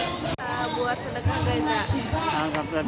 kita buat sedekah gajah